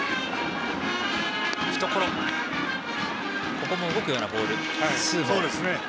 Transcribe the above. ここも動くようなボール。